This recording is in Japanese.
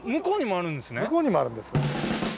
向こうにもあるんです。